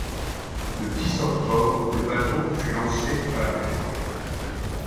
Le dix octobre, le bateau fut lancé à la mer